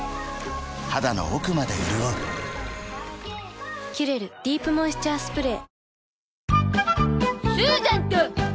肌の奥まで潤う「キュレルディープモイスチャースプレー」